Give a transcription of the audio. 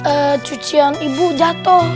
eh cucian ibu jatuh